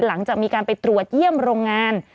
หลังจากมีการไปตรวจเยี่ยมโรงงาน